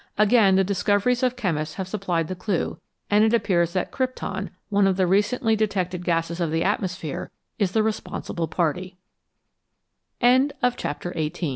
Again the discoveries of chemists have supplied the clue, and it appears that krypton, one of the recently detected gases of the atmosphere, is the responsible